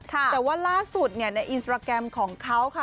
แต่ว่าล่าสุดในอินสตราแกรมของเขาค่ะ